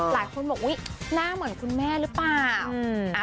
หลายคนบอกอุ๊ยหน้าเหมือนคุณแม่หรือเปล่า